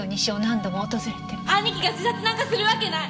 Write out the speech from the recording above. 兄貴が自殺なんかするわけない！